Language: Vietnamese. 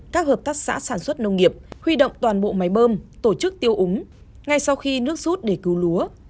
các hợp tác xã sản xuất nông nghiệp huy động toàn bộ máy bơm tổ chức tiêu úng ngay sau khi nước rút để cứu lúa